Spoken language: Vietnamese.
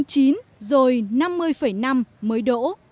bốn mươi sáu bốn mươi chín rồi năm mươi năm mới đỗ